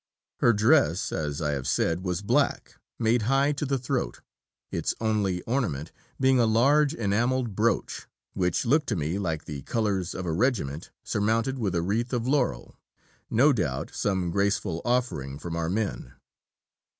Her dress, as I have said, was black, made high to the throat, its only ornament being a large enamelled brooch, which looked to me like the colours of a regiment surmounted with a wreath of laurel, no doubt some graceful offering from our men.